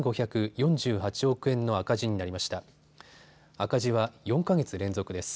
赤字は４か月連続です。